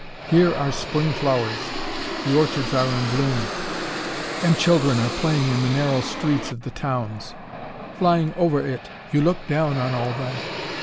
Here are spring flowers, the orchards are in bloom, and children are playing in the narrow streets of the towns. Flying over it, you look down on all that.